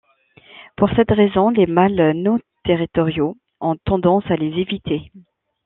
Pour cette raison, les mâles non-territoriaux ont tendance à les éviter.